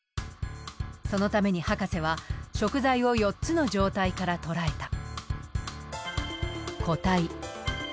そのために博士は食材を４つの状態から捉えた。